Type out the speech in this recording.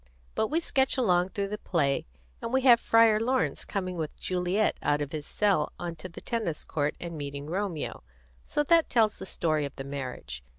But we sketch along through the play, and we have Friar Laurence coming with Juliet out of his cell onto the tennis court and meeting Romeo; so that tells the story of the marriage.